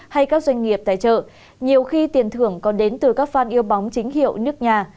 hay các doanh nghiệp tài trợ nhiều khi tiền thưởng còn đến từ các phan yêu bóng chính hiệu nước nhà